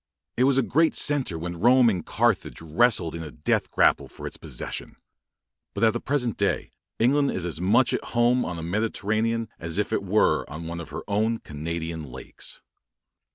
It was a great centre when Rome and Carthage wrestled in a death grapple for its possession. But at the present day England is as much at home on the Mediterranean as if it were one of her own Canadian lakes.